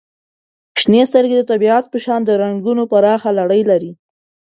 • شنې سترګې د طبیعت په شان د رنګونو پراخه لړۍ لري.